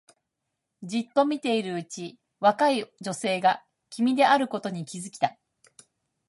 じっと見ているうちに若い女性が君であることに気がついた